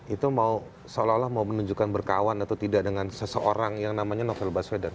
itu mau seolah olah mau menunjukkan berkawan atau tidak dengan seseorang yang namanya novel baswedan